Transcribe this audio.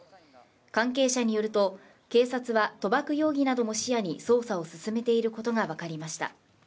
関係者によると警察は賭博容疑なども視野に捜査を進めていることが分かりました